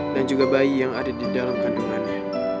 dan juga bayi yang ada di dalam kandungannya